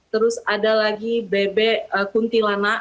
terus ada lagi bebek kuntilanak